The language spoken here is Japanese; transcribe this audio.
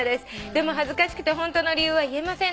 「でも恥ずかしくてホントの理由は言えませんでした」